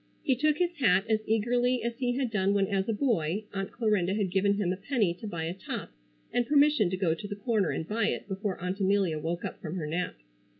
He took his hat as eagerly as he had done when as a boy Aunt Clarinda had given him a penny to buy a top and permission to go to the corner and buy it before Aunt Amelia woke up from her nap.